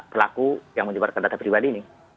perlaku yang menyebarkan data pribadi ini